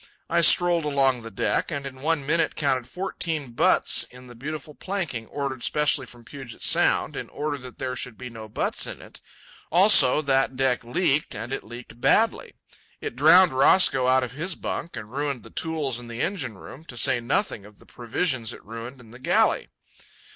I strolled along the deck and in one minute counted fourteen butts in the beautiful planking ordered specially from Puget Sound in order that there should be no butts in it. Also, that deck leaked, and it leaked badly. It drowned Roscoe out of his bunk and ruined the tools in the engine room, to say nothing of the provisions it ruined in the galley.